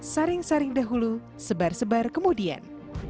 saring saring dahulu sebar sebar kemudian